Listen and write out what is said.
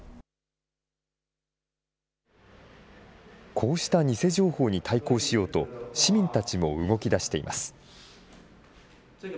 こうした偽情報に対抗しようと、市民たちも動きだしています。